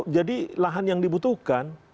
jadi lahan yang dibutuhkan